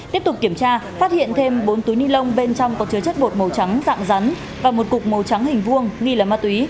tiếp tục kiểm tra phát hiện thêm bốn túi ni lông bên trong có chứa chất bột màu trắng dạng rắn và một cục màu trắng hình vuông nghi là ma túy